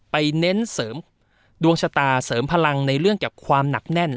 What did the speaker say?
เน้นเสริมดวงชะตาเสริมพลังในเรื่องกับความหนักแน่น